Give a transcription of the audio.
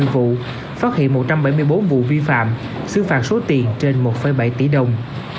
ba trăm hai mươi vụ phát hiện một trăm bảy mươi bốn vụ vi phạm xứ phạt số tiền trên một bảy tỷ đồng